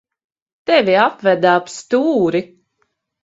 Tevi apveda ap stūri.